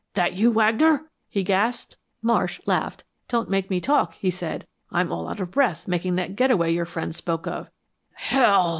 "That you, Wagner?" he gasped. Marsh laughed. "Don't make me talk," he said. "I'm all out of breath making that getaway your friend spoke of." "Hell!"